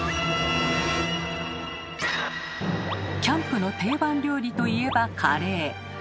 キャンプの定番料理といえばカレー。